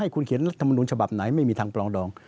คุณเขียนรัฐมนุนฉบับไหนไม่มีทางปลองดอง